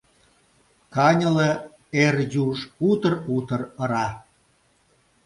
Каньыле эр юж утыр-утыр ыра.